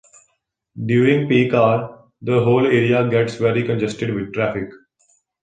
During peak hour, the whole area gets very congested with traffic.